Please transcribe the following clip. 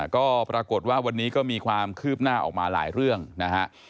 ก็ปรากฏว่าวันนี้ก็มีความคืบหน้าออกมาหลายเรื่องนะฮะ